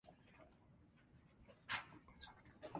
ボタンの真上で止まった親指を動かし、携帯の画面をパタリと閉じる